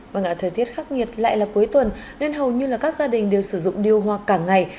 vâng ạ thời tiết khắc nghiệt lại là cuối tuần nên hầu như là các gia đình đều sử dụng điều hòa cả ngày